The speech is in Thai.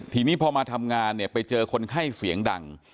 ทีนี้พอมาทำงานเนี่ยไปเจอคนไข้เสียงดัง